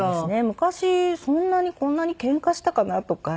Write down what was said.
昔そんなにこんなにケンカしたかな？とか。